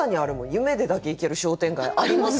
夢でだけ行ける商店街ありますよね。